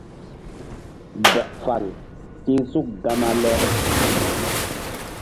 Bol fal ti̧h suk gama le.